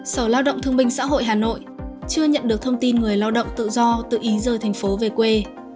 sở lao động thương minh xã hội hà nội chưa nhận được thông tin người lao động tự do tự ý rời thành phố về quê